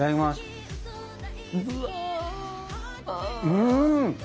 うん！